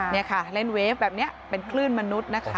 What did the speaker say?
นี่ค่ะเล่นเวฟแบบนี้เป็นคลื่นมนุษย์นะคะ